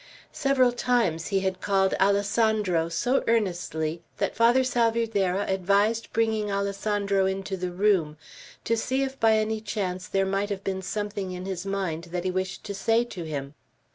Several times he had called "Alessandro" so earnestly, that Father Salvierderra advised bringing Alessandro into the room, to see if by any chance there might have been something in his mind that he wished to say to him.